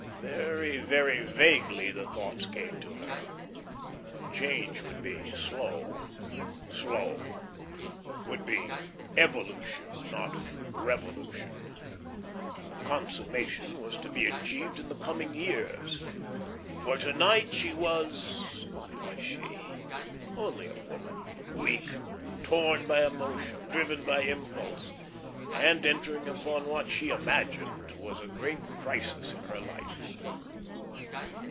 Very, very vaguely the thoughts came to her. The change would be slow, slow would be evolution, not revolution. The consummation was to be achieved in the coming years. For to night she was what was she? Only a woman, weak, torn by emotion, driven by impulse, and entering upon what she imagined was a great crisis in her life.